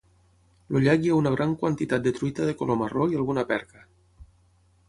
El llac hi ha una gran quantitat de truita de color marró i alguna perca.